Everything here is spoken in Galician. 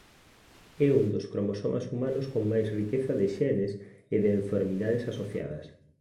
É un dos cromosomas humanos con máis riqueza de xenes e de enfermidades asociadas.